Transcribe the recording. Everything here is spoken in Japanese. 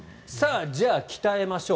じゃあ、鍛えましょう。